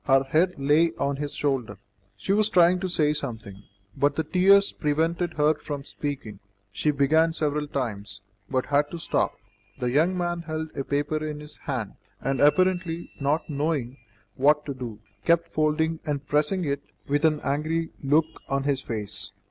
Her head lay on his shoulder. She was trying to say something, but the tears prevented her from speaking; she began several times, but had to stop. The young man held a paper in his hand, and, apparently not knowing what to do, kept folding and pressing it with an angry look on his face.